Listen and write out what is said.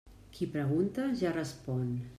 Qui pregunta, ja respon.